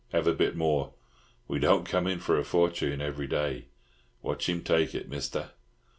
"Have a bit more. We don't come in for a fortune every day. Watch him take it, Mister."